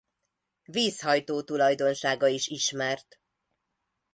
Vízhajtó tulajdonsága is ismert.